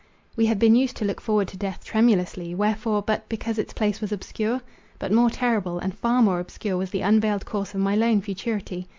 —We had been used to look forward to death tremulously— wherefore, but because its place was obscure? But more terrible, and far more obscure, was the unveiled course of my lone futurity.